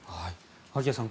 萩谷さん